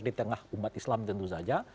di tengah umat islam tentu saja